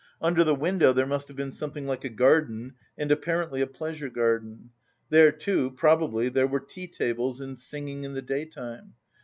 Under the window there must have been something like a garden, and apparently a pleasure garden. There, too, probably there were tea tables and singing in the daytime.